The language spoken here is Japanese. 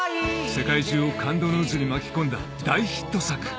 世界中を感動の渦に巻き込んだ大ヒット作